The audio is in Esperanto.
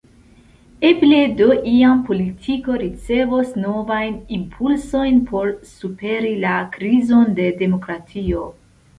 Eble do iam politiko ricevos novajn impulsojn por superi la krizon de demokratio.